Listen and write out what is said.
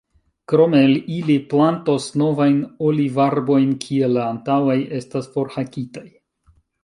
Krome ili plantos novajn olivarbojn, kie la antaŭaj estas forhakitaj.